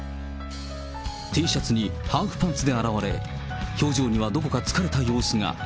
Ｔシャツにハーフパンツで現れ、表情にはどこか疲れた様子が。